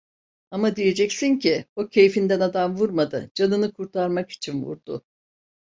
Ama diyeceksin ki, o keyfinden adam vurmadı, canını kurtarmak için vurdu.